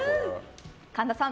神田さん